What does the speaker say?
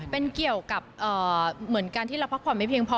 เป็นเกี่ยวกับเหมือนการที่เราพักผ่อนไม่เพียงพอ